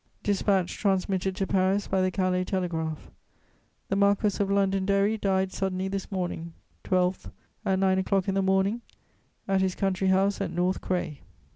"Dispatch transmitted to Paris by the Calais telegraph._ "The Marquess of Londonderry died suddenly this morning, 12th, at nine o'clock in the morning, at his country house at North Cray."